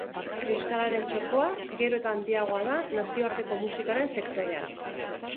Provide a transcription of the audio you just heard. Euskararen txokoa gero eta handiagoa da nazioarteko musikaren sektorean.